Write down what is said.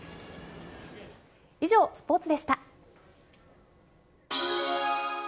以上、スポーツでした。